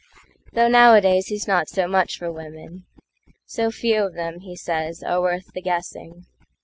Though nowadays he's not so much for women:"So few of them," he says, "are worth the guessing."